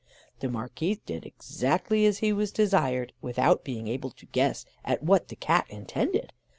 The Marquis did exactly as he was desired, without being able to guess at what the Cat intended.